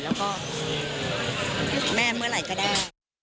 แล้วก็แม่เมื่อไหร่ก็ได้